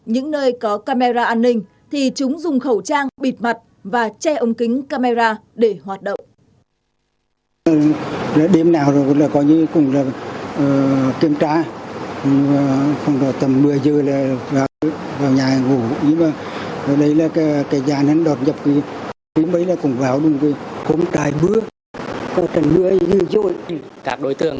những nơi có camera an ninh thì chúng dùng khẩu trang bịt mặt và che ống kính camera để hoạt động